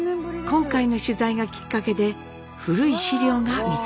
今回の取材がきっかけで古い資料が見つかりました。